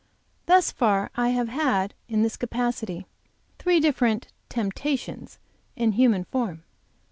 Thus far I have had, in this capacity, three different Temptations in human form.